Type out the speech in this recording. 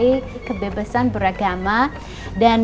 dan melaksanakan kebebasan beragama di sana